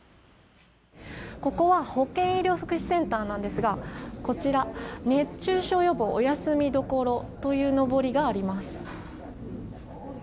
ここは保健医療福祉センターなんですが熱中症予防お休み処というのぼりがあります。